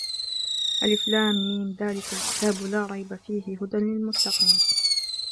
الم، ذَٰلِكَ الْكِتَابُ لَا رَيْبَ ۛ فِيهِ ۛ هُدًى لِّلْمُتَّقِين